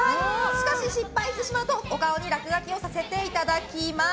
しかし失敗してしまうとお顔にらくがきさせていただきます。